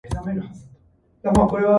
He is the founder of Verscope records.